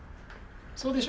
そうでしょ？